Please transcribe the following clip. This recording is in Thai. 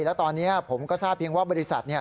แล้วตอนนี้ผมก็ทราบเพียงว่าบริษัท